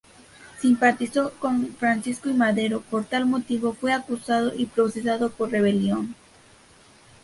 Simpatizó con Francisco I. Madero, por tal motivo, fue acusado y procesado por rebelión.